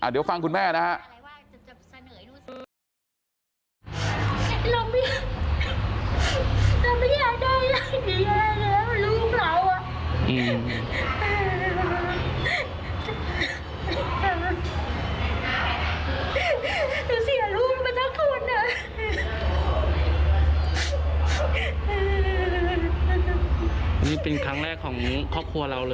เดี๋ยวฟังคุณแม่นะฮะ